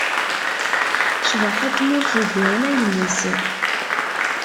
Cbaḥa n tmurt deg ugama-ines